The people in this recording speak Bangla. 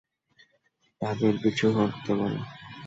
তাদের পিছু হটতে বলো!